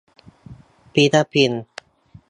ฟิลิปปินส์